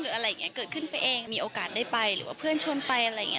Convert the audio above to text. อะไรอย่างนี้เกิดขึ้นไปเองมีโอกาสได้ไปหรือว่าเพื่อนชวนไปอะไรอย่างนี้